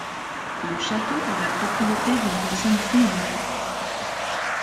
Le château est la propriété d'une personne privée.